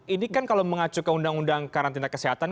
ini kan kalau mengacu ke undang undang karantina kesehatan